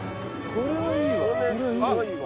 これすごいわ！